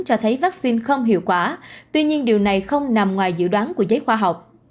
cho thấy vaccine không hiệu quả tuy nhiên điều này không nằm ngoài dự đoán của giới khoa học